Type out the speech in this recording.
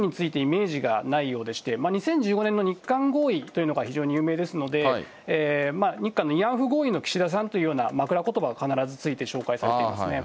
岸田さんについては、なかなか本人についてイメージがないようでして、２０１５年の日韓合意というのが非常に有名でして、日韓の慰安婦合意の岸田さんというまくらことばは必ずついて紹介されてますね。